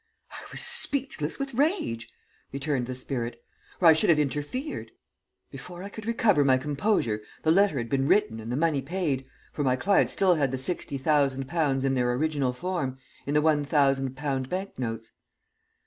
"I was speechless with rage," returned the spirit, "or I should have interfered. Before I could recover my composure the letter had been written and the money paid, for my client still had the sixty thousand pounds in their original form, in the one thousand pound banknotes.